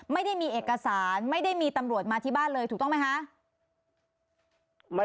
ไม่ได้มีเอกสารไม่ได้มีตำรวจมาที่บ้านเลยถูกต้องไหมคะ